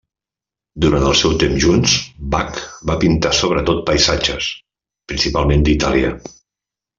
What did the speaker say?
Durant el seu temps junts, Bach va pintar sobretot paisatges, principalment d'Itàlia.